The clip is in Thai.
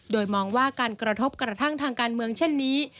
โดยมองว่าการกระทบกระทั่งทางการเมืองเช่นนี้